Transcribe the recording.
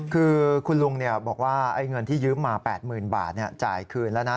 คือคุณลุงบอกว่าเงินที่ยืมมา๘๐๐๐บาทจ่ายคืนแล้วนะ